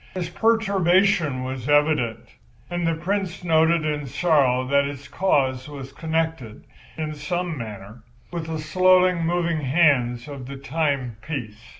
His perturbation was evident, and the Prince noted, in sorrow, that its cause was connected, in some manner, with the slowly moving hands of the timepiece.